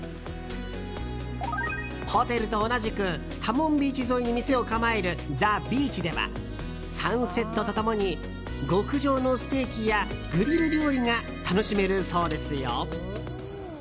ホテルと同じくタモンビーチ沿いに店を構えるザ・ビーチではサンセットと共に極上のステーキやグリル料理が楽しめるそうですよ。